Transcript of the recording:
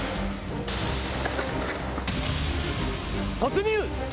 突入！